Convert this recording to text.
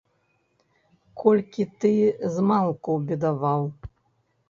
Колькі ты змалку бедаваў!